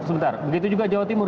sebentar begitu juga jawa timur